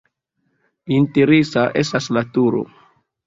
Interesa estas la turo.